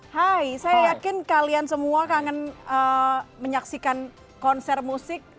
hai saya yakin kalian semua kangen menyaksikan konser musik